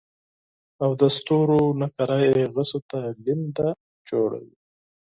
او د ستورو نقره يي غشو ته لینده جوړوي